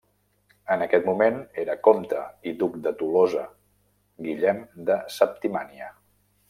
En aquest moment era comte i duc de Tolosa Guillem de Septimània.